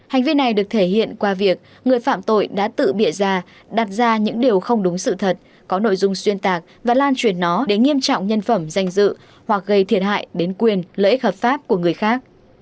hành vi này được thể hiện qua việc người phạm tội đã tự bịa ra đặt ra những điều không đúng sự thật có nội dung xuyên tạc và lan truyền nó đến nghiêm trọng nhân phẩm danh dự hoặc gây thiệt hại đến quyền lợi ích hợp pháp của người khác